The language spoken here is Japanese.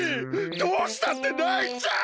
どうしたってないちゃう！